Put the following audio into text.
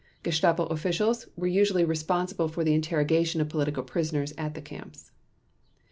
Gestapo officials were usually responsible for the interrogation of political prisoners at the camps.